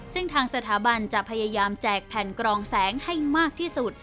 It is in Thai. ซึ่งทางสถาบันจะพยายามแจกแผ่นกรองแสงให้มากที่สุด